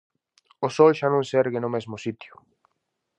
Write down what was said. O sol xa non se ergue no mesmo sitio!